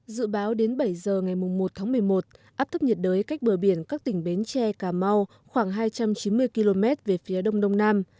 dự báo đến bảy giờ ngày một tháng một mươi một áp thấp nhiệt đới cách bờ biển các tỉnh bến tre cà mau khoảng hai trăm chín mươi km về phía đông đông nam